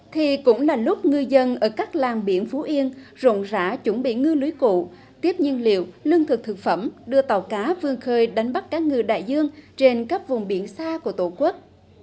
thì cũng là lúc ngư dân ở các làng biển phú yên rộng rã chuẩn bị ngư lưới cụ tiếp nhiên liệu lương thực thực phẩm đưa tàu cá vương khơi đánh bắt cá ngừ đại dương trên các vùng biển xa của tổ quốc